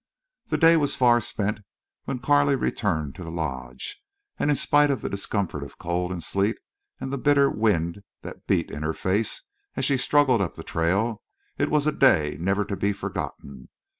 The day was far spent when Carley returned to the Lodge—and in spite of the discomfort of cold and sleet, and the bitter wind that beat in her face as she struggled up the trail—it was a day never to be forgotten.